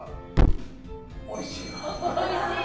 「おいしいわぁ」